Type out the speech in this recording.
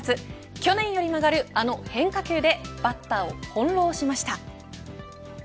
去年より曲がる、あの変化球でバッターを翻ろうしました。